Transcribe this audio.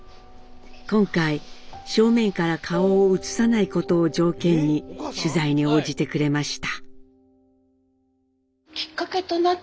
今回正面から顔を映さないことを条件に取材に応じてくれました。